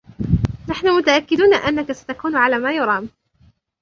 نحن متأكدون أنك ستكون على ما يرام.